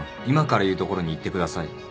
今から言う所に行ってください。